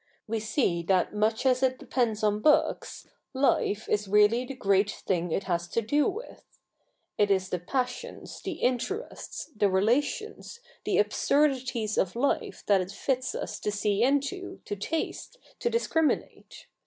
We see that much as it depends on books, life is really the great thing it has to do with. It is the passions, the interests, the relations, the absurdities of life that it fits us to see into, to taste, to discriminate.